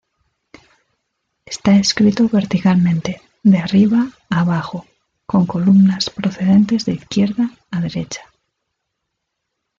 Está escrito verticalmente de arriba a abajo, con columnas procedentes de izquierda a derecha.